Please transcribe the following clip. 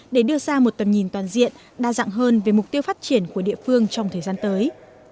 để đưa ra một tầm nhìn toàn diện đa dạng hơn về mục tiêu phát triển của địa phương trong thời gian tới